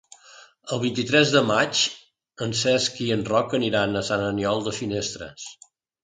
El vint-i-tres de maig en Cesc i en Roc aniran a Sant Aniol de Finestres.